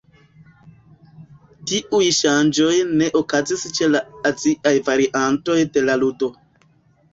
Tiuj ŝanĝoj ne okazis ĉe la aziaj variantoj de la ludo.